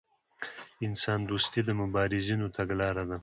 انسان دوستي د مبارزینو تګلاره ده.